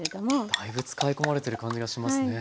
だいぶ使い込まれてる感じがしますね。